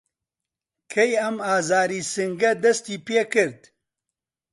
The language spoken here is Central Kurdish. کەی ئەم ئازاری سنگه دەستی پیکرد؟